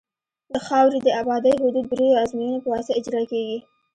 د خاورې د ابدارۍ حدود د دریو ازموینو په واسطه اجرا کیږي